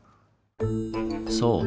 そう。